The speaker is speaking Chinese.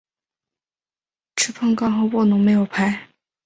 吃碰杠后不能没有牌。